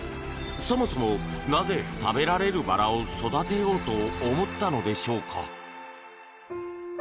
そもそも、なぜ食べられるバラを育てようと思ったのでしょうか？